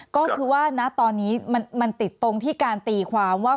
ก็คือว่าณตอนนี้มันติดตรงที่การตีความว่า